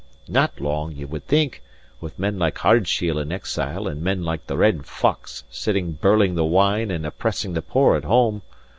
Not long, ye would think, with men like Ardshiel in exile and men like the Red Fox sitting birling the wine and oppressing the poor at home.